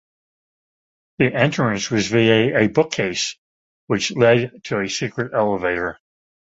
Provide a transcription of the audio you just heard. The entrance was via a bookcase which led to a secret elevator.